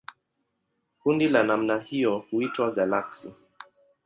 Kundi la namna hiyo huitwa galaksi.